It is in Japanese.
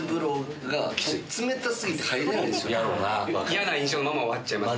嫌な印象のまま終わっちゃいます。